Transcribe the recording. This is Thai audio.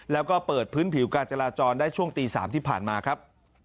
แล้วก็เปิดพื้นผิวการจราจรได้ช่วงตี๓ที่ผ่านมาครับ